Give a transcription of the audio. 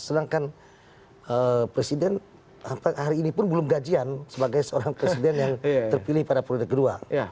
sedangkan presiden sampai hari ini pun belum gajian sebagai seorang presiden yang terpilih pada periode kedua